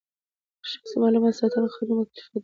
د شخصي معلوماتو ساتنه قانوني مکلفیت دی.